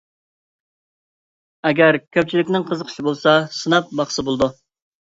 ئەگەر كۆپچىلىكنىڭ قىزىقىشى بولسا سىناپ باقسا بولىدۇ.